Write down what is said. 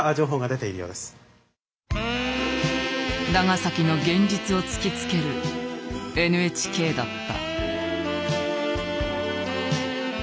長崎の現実を突きつけるＮＨＫだった。